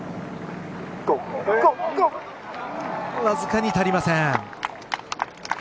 わずかに足りません。